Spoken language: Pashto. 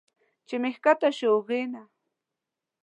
چې مې ښکته شو اوږې نه